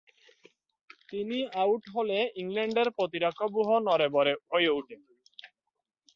তিনি আউট হলে ইংল্যান্ডের প্রতিরক্ষাব্যূহও নড়বড়ে হয়ে উঠে।